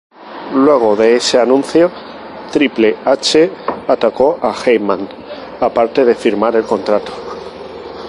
Luego de ese anuncio, Triple H atacó a Heyman aparte de firmar el contrato.